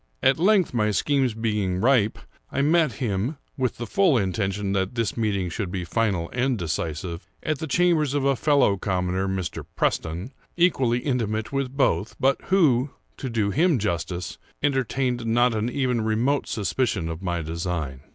At length, my schemes being ripe, I met him (with the full intention that this meeting should be final and decisive) at the chambers of a fellow commoner, (Mr. Preston,) equally intimate with both, but who, to do him justice, entertained not even a remote suspicion of my design.